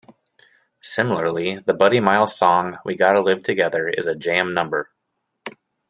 Similarly, the Buddy Miles song "We Gotta Live Together" is a jam number.